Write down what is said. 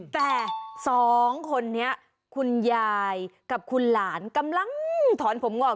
แต่สองคนนี้คุณยายกับคุณหลานกำลังถอนผมงอก